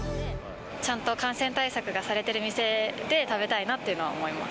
ちゃんと感染対策がされてる店で食べたいなっていうのは思います。